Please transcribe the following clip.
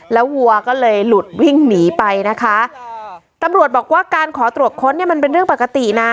แล้ววัวก็เลยหลุดวิ่งหนีไปนะคะตำรวจบอกว่าการขอตรวจค้นเนี่ยมันเป็นเรื่องปกตินะ